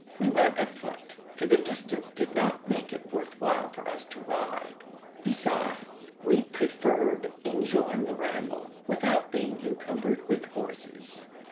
We went afoot: for the distance did not make it worth while for us to ride. Besides, we preferred enjoying the ramble, without being encumbered with horses.